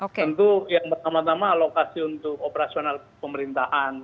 tentu yang pertama tama alokasi untuk operasional pemerintahan